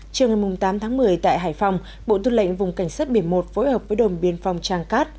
trường ngày tám tháng một mươi tại hải phòng bộ thu lệnh vùng cảnh sát biển một phối hợp với đồng biên phòng trang cát